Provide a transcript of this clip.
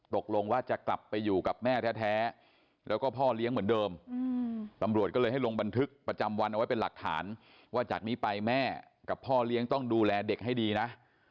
ประจำวันเอาไว้เป็นหลักฐานว่าจากนี้ไปแม่กับพ่อเลี้ยงต้องดูแลเด็กให้ดีนะ